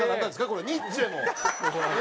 これニッチェの。